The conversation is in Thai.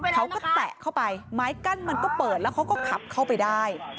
แตะเข้าไปไม้กั้นมันก็เปิดแล้วเขาก็ขับเข้าไปได้